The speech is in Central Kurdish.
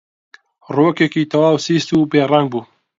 ڕووەکێکی تەواو سیس و بێڕەنگ بوو